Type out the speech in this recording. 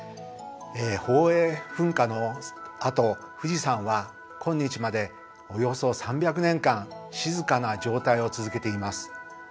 宝永噴火のあと富士山は今日までおよそ３００年間静かな状態を続けています。